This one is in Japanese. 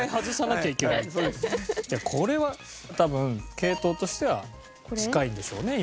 いやこれは多分系統としては近いんでしょうね